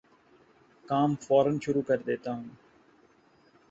کام فورا شروع کردیتا ہوں